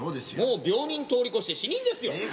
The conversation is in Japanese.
もう病人通り越して死人ですよ。